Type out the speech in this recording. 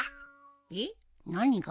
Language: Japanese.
えっ何が？